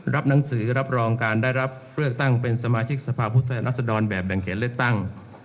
รับหนังสือรับรองการได้รับเลือกตั้งเป็นสมาชิกสภาพผู้แทนรัศดรแบบแบ่งเขตเลือกตั้ง